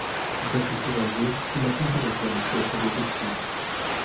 Bien que courageux, il a toujours été un piètre détective.